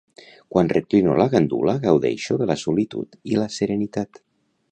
Quan reclino la gandula, gaudeixo de la solitud i la serenitat.